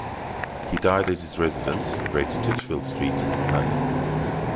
He died at his residence, Great Titchfield Street, London.